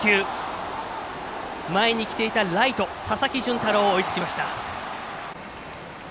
前に来ていたライト、佐々木純太郎追いつきました。